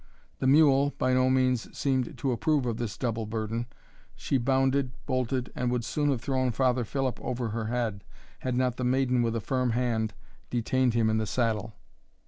The mule by no means seemed to approve of this double burden; she bounded, bolted, and would soon have thrown Father Philip over her head, had not the maiden with a firm hand detained him in the saddle.